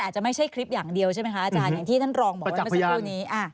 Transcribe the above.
อาจจะไม่ใช่คลิปอย่างเดียวใช่ไหมคะอาจารย์อย่างที่ท่านรองบอกว่าเมื่อสักครู่นี้